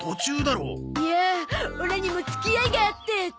いやオラにも付き合いがあって。